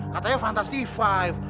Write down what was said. katanya fantasy lima